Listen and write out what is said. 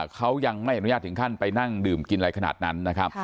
เขายังไม่อนุญาตถึงขั้นไปนั่งดื่มกินอะไรขนาดนั้นนะครับ